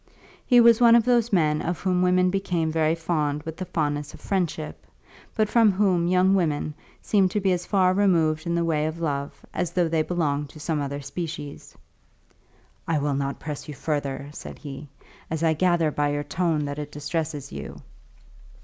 He was one of those men of whom women become very fond with the fondness of friendship, but from whom young women seem to be as far removed in the way of love as though they belonged to some other species. "I will not press you further," said he, "as I gather by your tone that it distresses you."